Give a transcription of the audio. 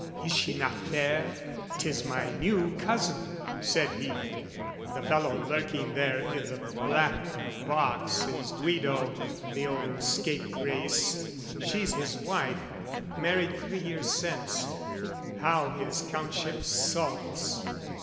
"Is not she fair? 'Tis my new cousin," said he: "The fellow lurking there i' the black o' the box "Is Guido, the old scapegrace: she's his wife, "Married three years since: how his Countship sulks!